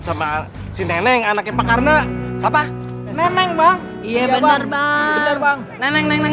sama si neneng anaknya pak karena siapa memang bang iya bener bang neneng neng neng